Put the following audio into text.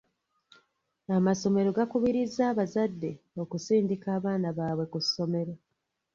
Amasomero gakubirizza abazadde okusindika abaana baabwe ku ssomero.